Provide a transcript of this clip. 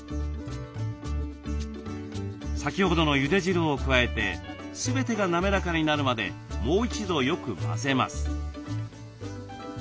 先ほどのゆで汁を加えて全てが滑らかになるまでもう一度よく混ぜます。